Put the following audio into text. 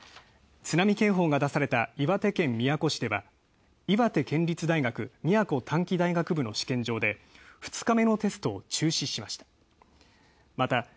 津波警報が出された岩手県宮古市では岩手県立大学宮古短期大学部の試験場で２日目のテストを中止しました。